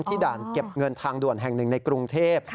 ด่านเก็บเงินทางด่วนแห่งหนึ่งในกรุงเทพ